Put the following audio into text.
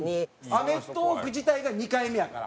『アメトーーク』自体が２回目やから。